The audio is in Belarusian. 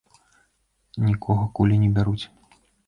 Нікога кулі не бяруць.